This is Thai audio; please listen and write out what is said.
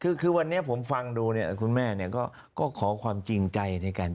คือคือวันนี้ผมฟังดูละคุณแม่เนี่ยก็ขอความจริงใจในการ